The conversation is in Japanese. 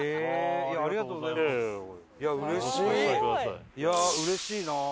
いやあうれしいな。